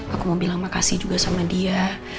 aku mau bilang makasih juga sama dia